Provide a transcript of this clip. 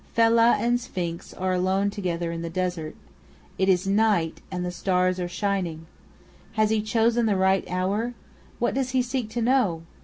Fellâh and Sphinx are alone together in the desert. It is night, and the stars are shining. Has he chosen the right hour? What does he seek to know?